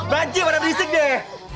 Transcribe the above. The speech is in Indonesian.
baji mana berisik deh